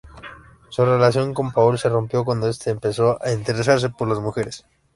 Su relación con Paul se rompió cuando este empezó a interesarse por las mujeres.